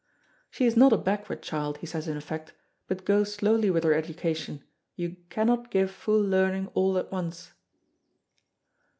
She is not a backward child, he says in effect, but go slowly with her education, you cannot give full learning all at once.